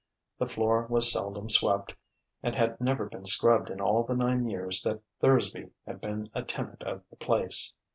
The floor was seldom swept and had never been scrubbed in all the nine years that Thursby had been a tenant of the place.